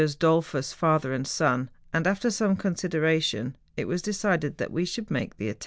Dollfus, father and son, and, after some consideration, it was decided that we should make the attempt.